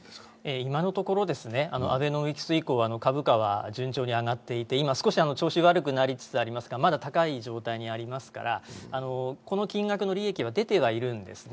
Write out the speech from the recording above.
今のところアベノミクス以降は株価は順調に上がっていて、今、少し調子が悪くなりつつありますが、まだ高い状態にありますから、この金額の利益は出てはいるんですね。